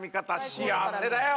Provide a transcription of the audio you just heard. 幸せだよ